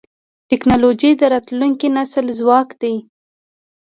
ټکنالوجي د راتلونکي نسل ځواک دی.